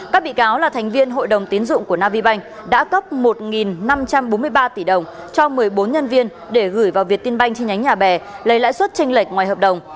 các bị cáo là thành viên hội đồng tiến dụng của navibank đã cấp một năm trăm bốn mươi ba tỷ đồng cho một mươi bốn nhân viên để gửi vào việt tin banh trên nhánh nhà bè lấy lãi suất tranh lệch ngoài hợp đồng